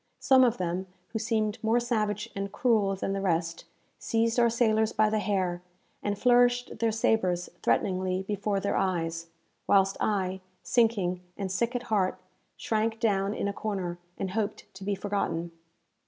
Some of them, who seemed more savage and cruel than the rest, seized our sailors by the hair, and flourished their sabres threateningly before their eyes; whilst I, sinking, and sick at heart, shrank down in a corner, and hoped to be forgotten.